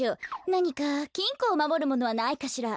なにかきんこをまもるものはないかしら？